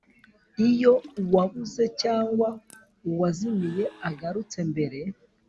Iyo uwabuze cyangwa uwazimiye agarutse mbere